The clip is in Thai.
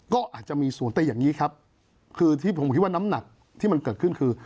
ก็อาจจะมีศูนย์แต่อย่างนี้ครับคือที่ผมคิดว่าน้ำหนักที่มันเกิดขึ้นคือ